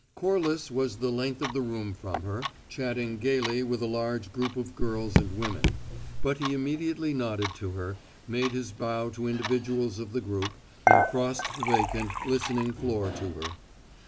Corliss was the length of the room from her, chatting gayly with a large group of girls and women; but he immediately nodded to her, made his bow to individuals of the group, and crossed the vacant, glistening floor to her.